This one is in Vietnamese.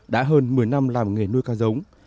đã hơn một mươi năm làm nghề nuôi cá giống